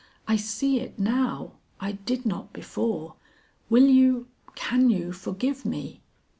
I see it now; I did not before. Will you can you forgive me?"